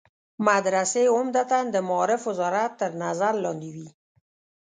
مدرسې عمدتاً د معارف وزارت تر نظر لاندې وي.